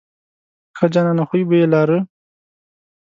ښه جانانه خوی بوی یې لاره.